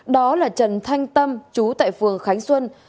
đó là trần thanh tâm chú tại phường khánh xuân